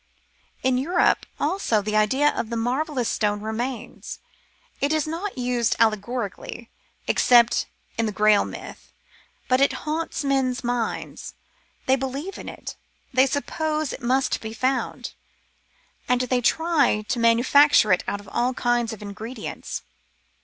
In Europe, also, the idea of the marvellous s.tone remains ; it is not used allegorically, except in the Grail myth, but it haunts men's minds ; they believe in it, they suppose it must be found, and they try to manufacture it out of all kinds of ingredients.